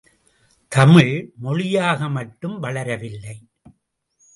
தமிழ், மொழியாக மட்டும் வளரவில்லை.